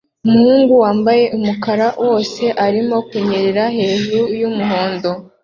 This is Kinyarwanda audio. Umuhungu wambaye umukara wose arimo kunyerera hejuru yumuhondo